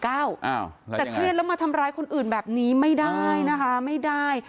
แล้วจะไงแต่เครียดแล้วมาทำร้ายคนอื่นแบบนี้ไม่ได้ไม่ได้